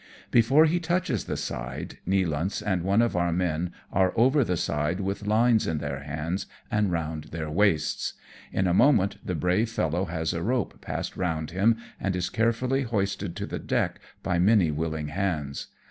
Before he touches the side, Nealance and one of our men are over the side with liues in their hands and round their waists. In a moment the brave fellow has a rope passed round him, and is carefully hoisted to the deck by many willing hands.